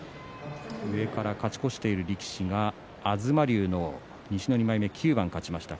上から勝ち越している力士が東龍の西の２枚目９番勝ちました。